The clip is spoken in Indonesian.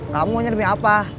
kamu hanya demi apa